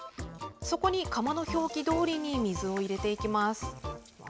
そこに釜の表記どおりに水を入れていきます。